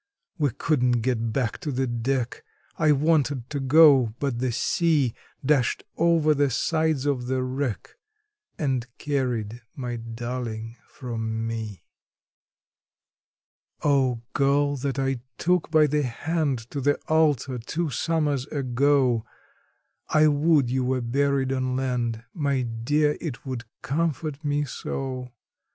We couldn't get back to the deck: I wanted to go, but the sea Dashed over the sides of the wreck, and carried my darling from me. Oh, girl that I took by the hand to the altar two summers ago, I would you were buried on land my dear, it would comfort me so!